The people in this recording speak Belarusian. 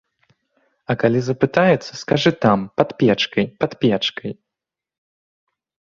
А калі запытаецца, скажы, там, пад печкай, пад печкай.